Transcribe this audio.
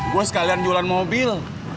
gue sekalian jualan mobil